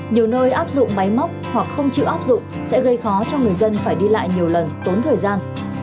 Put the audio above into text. nhiều nơi áp dụng máy móc hoặc không chịu áp dụng sẽ gây khó cho người dân phải đi lại nhiều lần tốn thời gian